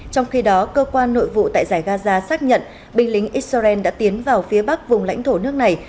trong khi đó cơ quan nội vụ tại giải gaza xác nhận binh lính israel đã tiến vào phía bắc vùng lãnh thổ nước này